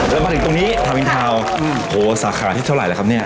แล้วมาถึงตรงนี้ทาวินทาวน์โหสาขาที่เท่าไหร่ครับเนี่ย